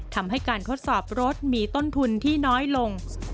ทำให้การทดสอบรถมีต้นทุนที่น้อยลง